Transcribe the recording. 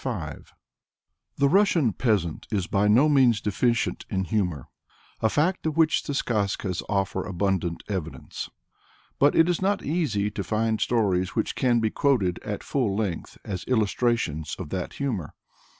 The Russian peasant is by no means deficient in humor, a fact of which the Skazkas offer abundant evidence. But it is not easy to find stories which can be quoted at full length as illustrations of that humor.